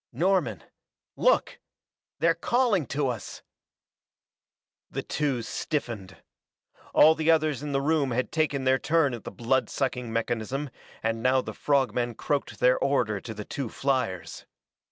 "Norman look they're calling to us!" The two stiffened. All the others in the room had taken their turn at the blood sucking mechanism and now the frog men croaked their order to the two fliers.